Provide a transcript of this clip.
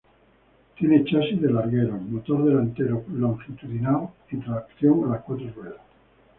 Tiene chasis de largueros, motor delantero longitudinal y tracción a las cuatro ruedas.